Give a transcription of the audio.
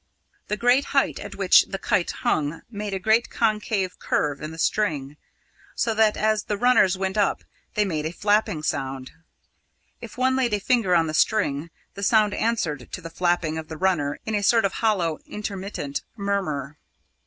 The great height at which the kite hung made a great concave curve in the string, so that as the runners went up they made a flapping sound. If one laid a finger on the string, the sound answered to the flapping of the runner in a sort of hollow intermittent murmur.